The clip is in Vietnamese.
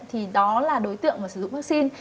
thì đó là đối tượng mà sử dụng vaccine